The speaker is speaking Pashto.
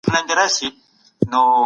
ريښتيا ويل انسان ته نجات ورکوي.